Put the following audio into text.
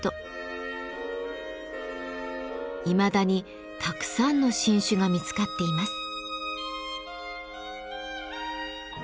いまだにたくさんの新種が見つかっています。